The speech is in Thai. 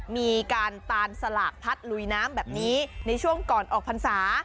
มีการตานสลากพัดลุยน้ำแบบนี้ในช่วงก่อนออกพรรษา